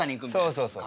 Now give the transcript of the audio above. そうそうそう。